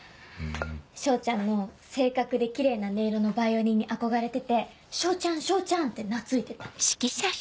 彰ちゃんの正確でキレイな音色のヴァイオリンに憧れてて「彰ちゃん彰ちゃん」って懐いてた。